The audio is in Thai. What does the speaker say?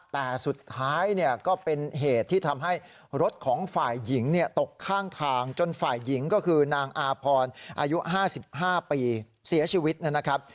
แต่สุดท้ายเนี่ยก็เป็นเหตุที่ทำให้รถของฝ่ายหญิงตกข้างทางจนฝ่ายหญิงก็คือนางอาพรอายุ๕๕ปีเสียชีวิตนะครับ